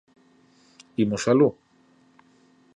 Imos aló.